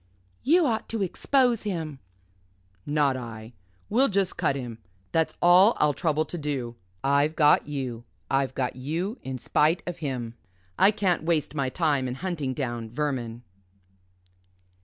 "You ought to expose him." "Not I we'll just cut him. That's all I'll trouble to do. I've got you I've got you in spite of him I can't waste my time in hunting down vermin."